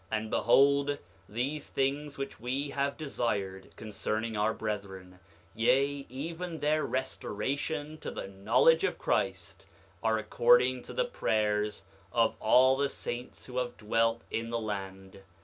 9:36 And behold, these things which we have desired concerning our brethren, yea, even their restoration to the knowledge of Christ, are according to the prayers of all the saints who have dwelt in the land.